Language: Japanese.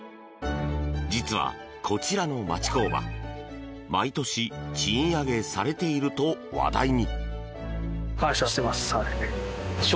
実はこちらの町工場毎年賃上げされていると話題に！